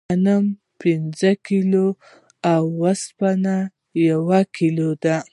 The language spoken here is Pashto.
غنم پنځه کیلو او اوسپنه یو کیلو ده.